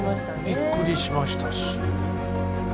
びっくりしましたし。